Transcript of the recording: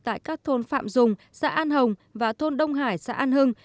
tại các thôn phạm dùng xã an hồng và thôn đông hải xã an hưng